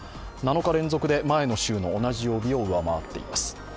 ７日連続で前の週の同じ曜日を上回っています。